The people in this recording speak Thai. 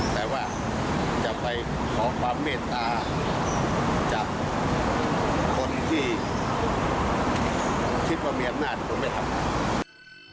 แต่ว่าจะไปขอความเมตตาจากคนที่คิดว่ามีอำนาจคงไม่ทำ